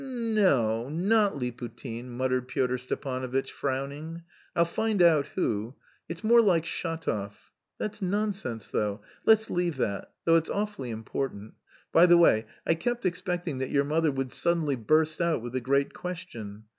"N no, not Liputin," muttered Pyotr Stepanovitch, frowning; "I'll find out who. It's more like Shatov.... That's nonsense though. Let's leave that! Though it's awfully important.... By the way, I kept expecting that your mother would suddenly burst out with the great question....